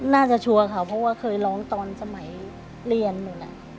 ชัวร์ค่ะเพราะว่าเคยร้องตอนสมัยเรียนหมด